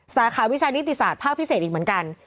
สาขาวิชานิติศาสตร์ภาคพิเศษอีกเหมือนกัน